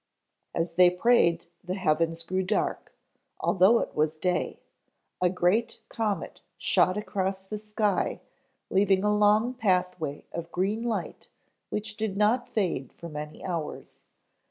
As they prayed the heavens grew dark, although it was day; a great comet shot across the sky, leaving a long pathway of green light which did not fade for many hours.